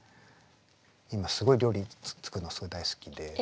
今すごい料理作るのがすごい大好きで。